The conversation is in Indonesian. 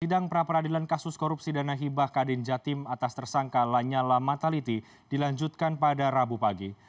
sidang praperadilan kasus korupsi dan nahibah kadin jatim atas tersangka lanyala mataliti dilanjutkan pada rabu pagi